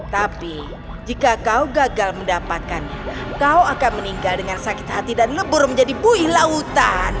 tapi jika kau gagal mendapatkannya kau akan meninggal dengan sakit hati dan lebur menjadi buih lautan